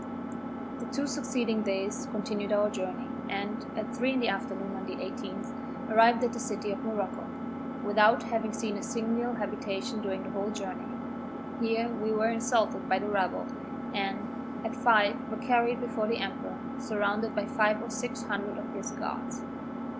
The two succeeding days continued our journey, and, at three in the afternoon of the 18th, arrived at the City of Morocco, without having seen a single habitation during the whole journey. Here we were insulted by the rabble, and, at five, were carried before the emperor, surrounded by five or six hundred of his guards.